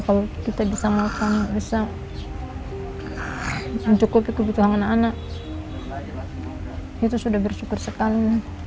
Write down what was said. kalau kita bisa makan bisa mencukupi kebutuhan anak anak itu sudah bersyukur sekali